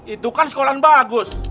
itu kan sekolah bagus